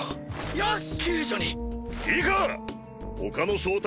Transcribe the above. よし！